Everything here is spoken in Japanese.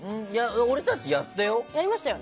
俺たち、やったよ。